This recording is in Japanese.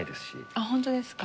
あっホントですか？